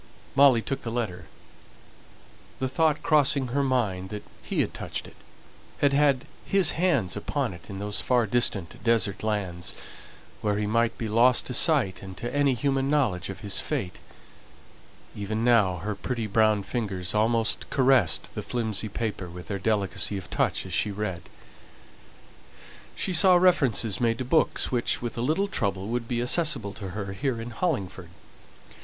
Molly took the letter, the thought crossing her mind that he had touched it, had had his hands upon it, in those far distant desert lands, where he might be lost to sight and to any human knowledge of his fate; even now her pretty brown fingers almost caressed the flimsy paper with their delicacy of touch as she read. She saw references made to books, which, with a little trouble, would be accessible to her here in Hollingford.